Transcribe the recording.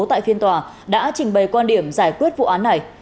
tại phiên tòa đã trình bày quan điểm giải quyết vụ án này